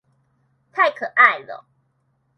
太可愛了